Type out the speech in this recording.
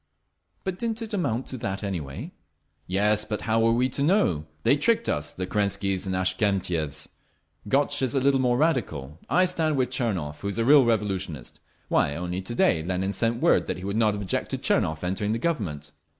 "But didn't it amount to that anyway?" "Yes, but how were we to know? They tricked us—the Kerenskys and Avksentievs. Gotz is a little more radical. I stand with Tchernov, who is a real revolutionist…. Why, only to day Lenin sent word that he would not object to Tchernov entering the Government.